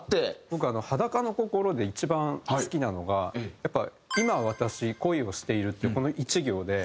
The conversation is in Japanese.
僕『裸の心』で一番好きなのがやっぱり「今、私恋をしている」っていうこの１行で。